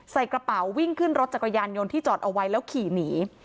ใส่กระเป๋าวิ่งขึ้นรถจักรยานยนต์ที่จอดเอาไว้แล้วขี่หนี